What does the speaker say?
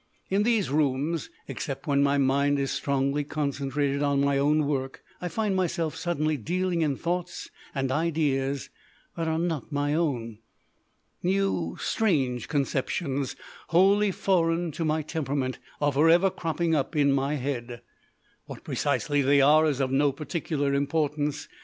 In these rooms, except when my mind is strongly concentrated on my own work, I find myself suddenly dealing in thoughts and ideas that are not my own! New, strange conceptions, wholly foreign to my temperament, are for ever cropping up in my head. What precisely they are is of no particular importance.